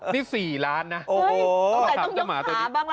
นี่สี่ล้านน่ะโอ้โหต้องใส่ต้องยกขาบ้างละดอม